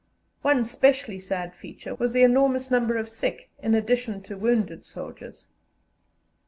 One specially sad feature was the enormous number of sick in addition to wounded soldiers.